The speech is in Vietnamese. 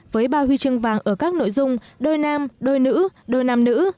với ba huy chương vàng ở các nội dung đôi nam đôi nữ đôi nam nữ